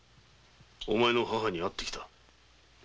お前の母に会って来た。